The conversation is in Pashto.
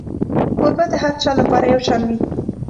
کوربه د هر چا لپاره یو شان وي.